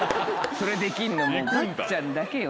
それできんのもうガッちゃんだけよ。